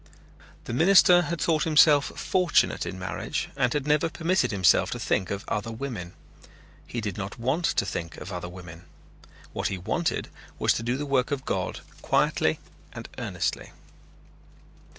The minister had thought himself fortunate in marriage and had never permitted himself to think of other women. He did not want to think of other women. What he wanted was to do the work of God quietly and earnestly.